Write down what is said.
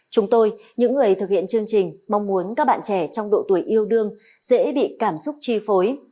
chúng tôi những người thực hiện chương trình mong muốn các bạn trẻ trong độ tuổi yêu đương dễ bị cảm xúc chi phối